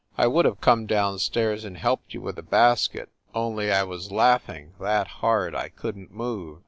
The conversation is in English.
I would have come down stairs and helped you with the basket, only I was laughing that hard I couldn t move.